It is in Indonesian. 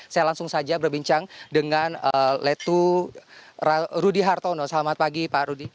saya langsung saja berbincang dengan letu rudy hartono selamat pagi pak rudi